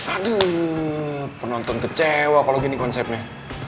aduh penonton kecewa kalau gini konsepnya